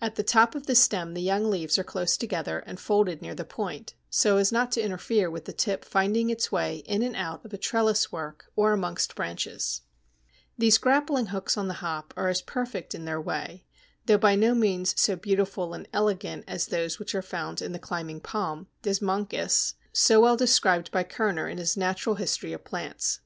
At the top of the stem the young leaves are close together, and folded near the point, so as not to interfere with the tip finding its way in and out of a trellis work or amongst branches. Henslow, Origin of Plant Structures; Warming, Rev. Gen. de Bot., tom. 5, p. 213. These grappling hooks on the Hop are as perfect in their way, though by no means so beautiful and elegant as those which are found in the climbing palm, Desmoncus, so well described by Kerner in his Natural History of Plants.